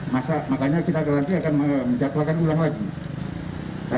makanya kita garanti akan menjatuhkan ulang lagi